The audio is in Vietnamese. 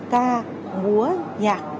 ca ngúa nhạc